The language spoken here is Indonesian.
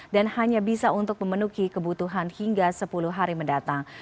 dan hanya bisa untuk memenuki kebutuhan hingga sepuluh hari mendatang